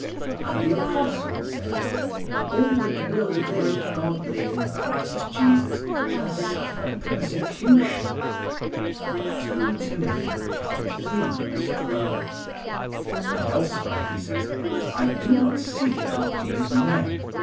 And the apostle says: "All that will live godly in Christ Jesus shall suffer persecution" (II Tim. iii, 12). And elsewhere he says: "I do not seek to please men.